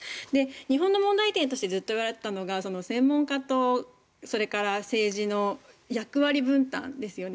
日本の問題点としてずっと言われていたのが専門家とそれから政治の役割分担ですよね。